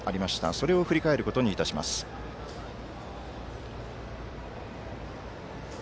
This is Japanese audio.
それを振り返ることにいたしましょう。